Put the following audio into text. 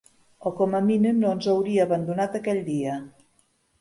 O com a mínim no ens hauria abandonat aquell dia.